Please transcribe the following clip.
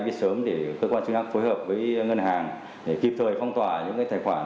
biết sớm để cơ quan chức năng phối hợp với ngân hàng để kịp thời phong tỏa những tài khoản